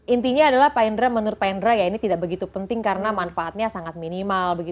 intinya adalah menurut pak indra ini tidak begitu penting karena manfaatnya sangat minimal